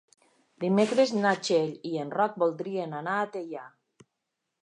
Dimecres na Txell i en Roc voldrien anar a Teià.